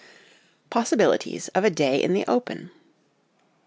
Possibilities of a Day in the Open.